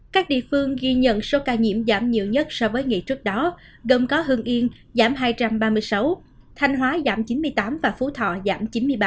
các địa phương ghi nhận số ca nhiễm giảm nhiều nhất so với ngày trước đó gồm có hương yên giảm hai trăm ba mươi sáu thanh hóa giảm chín mươi tám và phú thọ giảm chín mươi ba